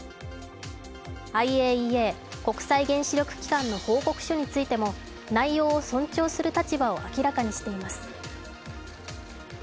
ＩＡＥＡ＝国際原子力機関の報告書についても内容を尊重する立場を明らかにしています。